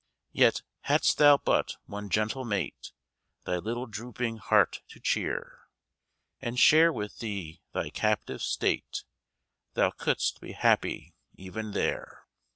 Yet, hadst thou but one gentle mate Thy little drooping heart to cheer, And share with thee thy captive state, Thou couldst be happy even there.